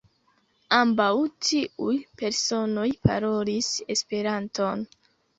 Ambaŭ tiuj personoj parolis Esperanton.